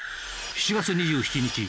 ７月２７日